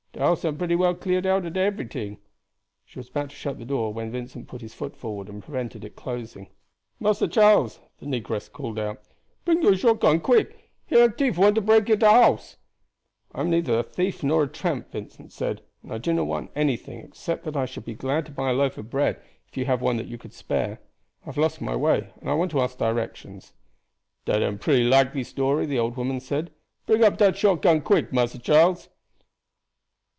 "De house am pretty well cleared out ob eberyting." She was about to shut the door when Vincent put his foot forward and prevented it closing. "Massa Charles," the negress called out, "bring yo' shot gun quick; here am tief want to break into the house." "I am neither a thief nor a tramp," Vincent said; "and I do not want anything, except that I should be glad to buy a loaf of bread if you have one that you could spare. I have lost my way, and I want to ask directions." "Dat am pretty likely story," the old woman said. "Bring up dat shot gun quick, Massa Charles."